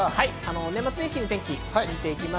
年末年始の天気を見ていきます。